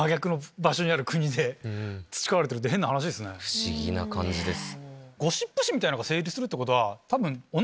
不思議な感じです。